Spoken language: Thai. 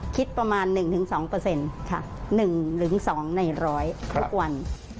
คิดประมาณ๑๒๑หรือ๒ในร้อยทุกวัน